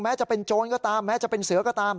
จะเป็นโจรก็ตามแม้จะเป็นเสือก็ตาม